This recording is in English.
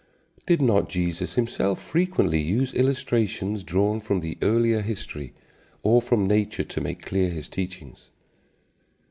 Did not Jesus himself frequently use illustrations drawn from earlier history or from nature to make clear his teachings?